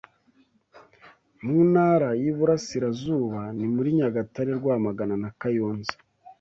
mu Ntara y’Iburasirazuba ni muri Nyagatare Rwamagana na Kayonza